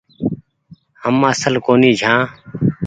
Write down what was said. هم اسل ڪونيٚ ڇآن۔